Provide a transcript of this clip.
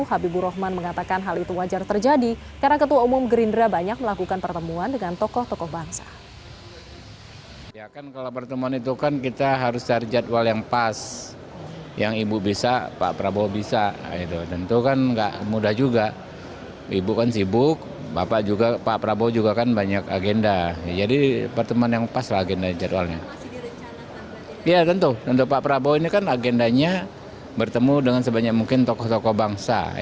habibu rohman mengatakan hal itu wajar terjadi karena ketua umum gerindra banyak melakukan pertemuan dengan tokoh tokoh bangsa